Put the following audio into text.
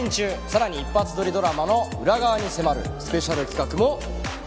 さらに一発撮りドラマの裏側に迫るスペシャル企画も配信中。